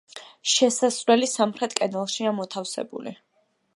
შესასვლელი სამხრეთ კედელშია მოთავსებული.